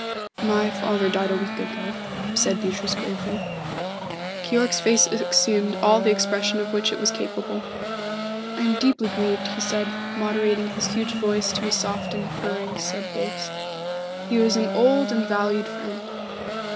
"My father died a week ago," said Beatrice gravely. Keyork's face assumed all the expression of which it was capable. "I am deeply grieved," he said, moderating his huge voice to a soft and purring sub bass. "He was an old and valued friend."